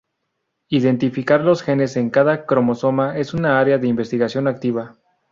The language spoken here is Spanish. Identificar los genes en cada cromosoma es una área de investigación activa.